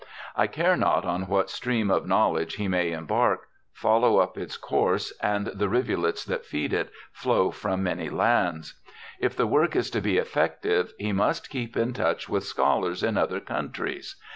I care not on what stream of knowledge he may embark, follow up its course, and the rivulets that feed it flow from many lands. If the work is to be effective he must keep in touch with scholars in other countries.